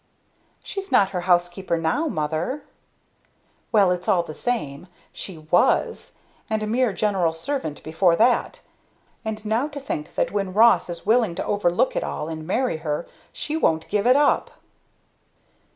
"She's not her housekeeper now, mother " "Well, it's all the same! She was! And a mere general servant before that! And now to think that when Ross is willing to overlook it all and marry her, she won't give it up!"